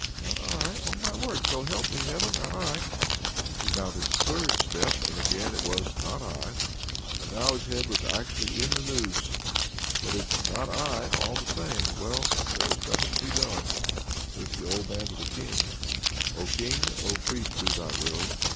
"Not I, on my word! So help me Heaven, not I!" He mounted the third step and again it was "Not I!" And now his head was actually in the noose but it's "Not I!" all the same. Well, there was nothing to be done! Says the old man to the King: "O King! O free to do thy will!